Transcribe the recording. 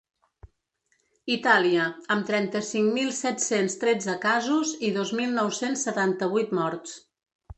Itàlia, amb trenta-cinc mil set-cents tretze casos i dos mil nou-cents setanta-vuit morts.